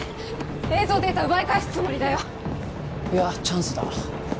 映像データ奪い返すつもりだよいやチャンスだ